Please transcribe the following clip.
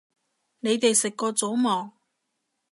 你哋食過早吂